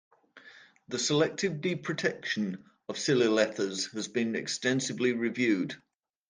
The selective deprotection of silyl ethers has been extensively reviewed.